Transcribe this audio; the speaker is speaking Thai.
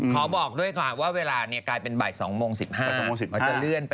ขอบอกด้วยก่อนว่าเวลาเนี่ยกลายเป็นบ่าย๒โมง๑๕แล้วจะเลื่อนไปสักชั่วโมงนึงนะครับ